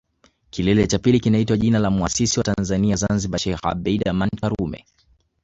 Kilele cha pili kinaitwa jina la Muasisi wa Tanzania Zanzibar Sheikh Abeid Karume